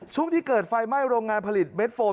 ที่เกิดไฟไหม้โรงงานผลิตเม็ดโฟม